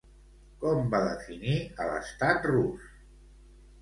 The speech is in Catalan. Com va definir a l'estat rus?